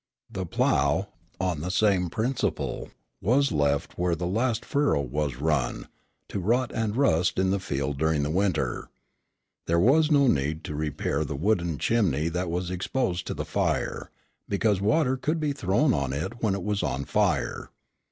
The plough, on the same principle, was left where the last furrow was run, to rot and rust in the field during the winter. There was no need to repair the wooden chimney that was exposed to the fire, because water could be thrown on it when it was on fire.